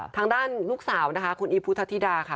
ทางด้านลูกสาวนะคะคุณอีฟพุทธธิดาค่ะ